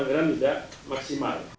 anggaran tidak maksimal